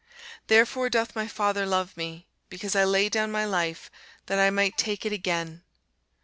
Therefore doth my Father love me, because I lay down my life, that I might take it again.